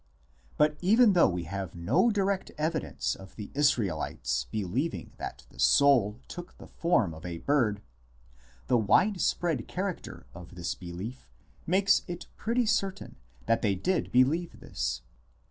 But even though we have no direct evidence of the Israelites believing that the soul took the form of a bird, the widespread character of this belief makes it pretty certain that they did believe this.